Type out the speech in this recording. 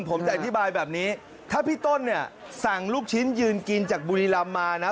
ผมจะอธิบายแบบนี้ถ้าพี่ต้นเนี่ยสั่งลูกชิ้นยืนกินจากบุรีรำมานะ